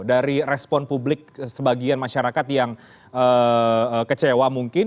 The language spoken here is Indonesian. dari respon publik sebagian masyarakat yang kecewa mungkin